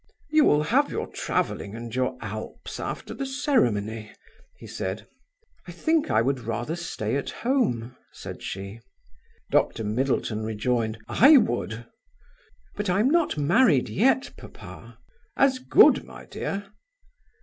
"You will have your travelling and your Alps after the ceremony," he said. "I think I would rather stay at home," said she. Dr Middleton rejoined: "I would." "But I am not married yet papa." "As good, my dear."